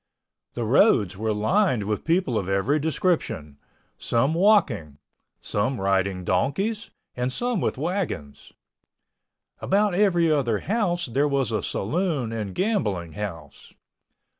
The roads were lined with people of every description—some walking, some riding donkeys and some with wagons. About every other house there was a saloon and gambling house.